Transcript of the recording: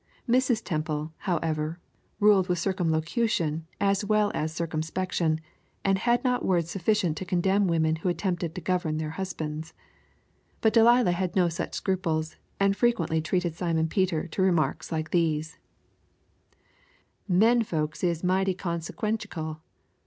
Mrs. Temple, however, ruled with circumlocution as well as circumspection, and had not words sufficient to condemn women who attempt to govern their husbands. But Delilah had no such scruples, and frequently treated Simon Peter to remarks like these: "Menfolks is mighty consequenchical.